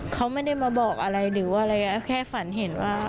เขาไม่ได้มาบอกอะไรหรือว่าอะไรแค่ฝันเห็นว่า